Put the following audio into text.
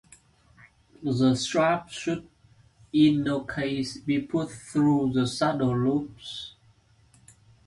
The strap should in no case be put through the saddle loops.